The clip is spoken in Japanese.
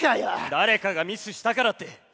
誰かがミスしたからって。